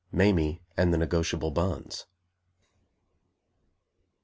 _Mamie and the Negotiable Bonds.